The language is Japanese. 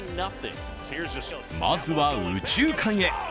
まずは、右中間へ。